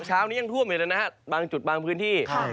เช้านี้ยังท่วมอยู่เลยนะฮะบางจุดบางพื้นที่